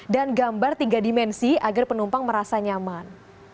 dan gambar tiga dimensi agar penumpang merasa nyaman